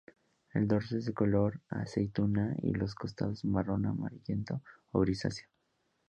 El dorso es de color aceituna y los costados marrón amarillento o grisáceo.